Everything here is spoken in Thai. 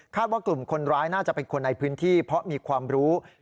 ว่ากลุ่มคนร้ายน่าจะเป็นคนในพื้นที่เพราะมีความรู้